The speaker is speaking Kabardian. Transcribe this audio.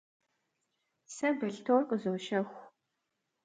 Сэ балътор къызощэху.